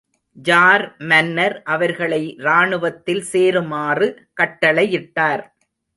Jar மன்னர் அவர்களை ராணுவத்தில் சேருமாறு கட்டளையிட்டார்.